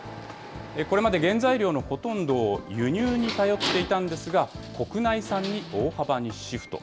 これまで原材料のほとんどを輸入に頼っていたんですが、国内産に大幅にシフト。